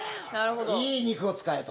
いい肉を使えと。